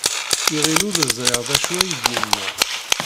Iɣil ur ẓriɣ d acu ay d-yenna.